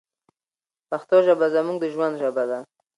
پښتو ژبه زموږ د ژوند ژبه ده.